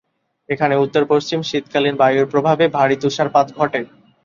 এখানে উত্তরপশ্চিম শীতকালীন বায়ুর প্রভাবে ভারি তুষারপাত ঘটে।